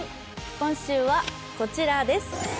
今週はこちらです。